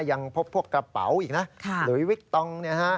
ยังพบพวกกระเป๋าอีกนะหลุยวิกตองเนี่ยฮะ